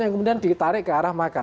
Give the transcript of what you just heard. yang kemudian ditarik ke arah makan